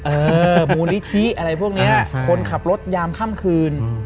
มูลนิธิอะไรพวกนี้คนขับรถยามค่ำคืน